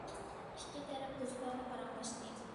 ئىككى تەرەپ دوستانە پاراڭلاشتى.